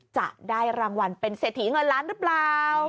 จะได้รางวัลเป็นเศรษฐีเงินล้านหรือเปล่า